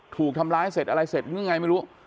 ถูกทำร้ายเสร็จอะไรเสร็จหรือไงไม่รู้